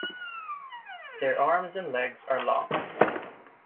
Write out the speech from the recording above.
Their arms and legs are long.